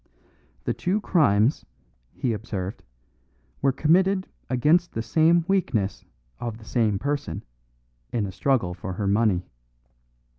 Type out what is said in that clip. "The two crimes," he observed, "were committed against the same weakness of the same person, in a struggle for her money.